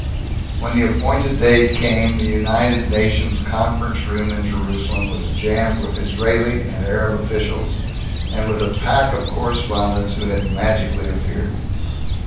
When the appointed day came, the United Nations conference room in Jerusalem was jammed with Israeli and Arab officials, and with a pack of correspondents who had magically appeared.